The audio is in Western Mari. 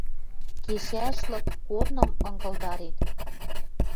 Кешӓшлык корным ынгылдарен.